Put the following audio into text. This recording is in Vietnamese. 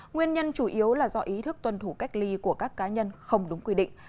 nguyên nhân chủ yếu là do ý thức tuân thủ cách ly của các cá nhân không đúng quy định